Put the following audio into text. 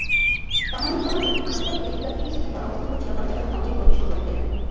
কামারুজ্জামানের ফাঁসির দাবিতে বিকেল থেকেই সেখানে গণ-অবস্থান করছিলেন গণজাগরণ মঞ্চের কর্মী-সংগঠকেরা।